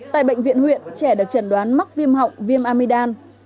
tại bệnh viện huyện trẻ được chẩn đoán mắc viêm họng viêm amidam